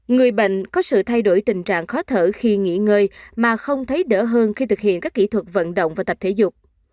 người bệnh có sự thay đổi tình trạng khó thở khi nghỉ ngơi mà không thấy đỡ hơn khi thực hiện các kỹ thuật vận động và tập thể dục